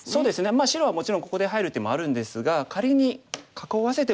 まあ白はもちろんここで入る手もあるんですが仮に囲わせても。